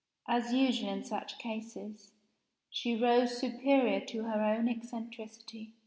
As usual in such cases, she rose superior to her own eccentricity.